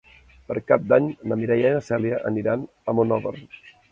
Per Cap d'Any na Mireia i na Cèlia aniran a Monòver.